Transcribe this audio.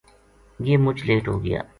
یہ مُچ لیٹ ہو گیا